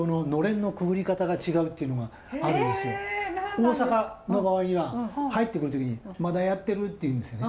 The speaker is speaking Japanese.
大阪の場合には入ってくる時に「まだやってる？」って言うんですよね。